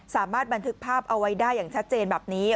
สามารถบันทึกภาพเอาไว้ได้อย่างชัดเจนแบบนี้